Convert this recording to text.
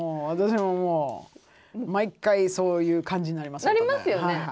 私ももう毎回そういう感じになりますね。